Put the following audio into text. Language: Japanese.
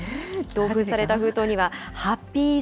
開封された封筒にはハッピーイーＸ？